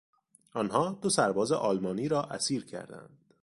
آنها دو سرباز آلمانی را اسیر کردند.